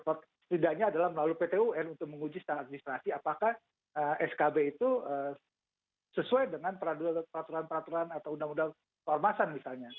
setidaknya adalah melalui pt un untuk menguji secara administrasi apakah skb itu sesuai dengan peraturan peraturan atau undang undang soal masa misalnya